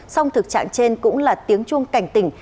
song thực trạng trên cũng là tiếng chuông cảnh tỉnh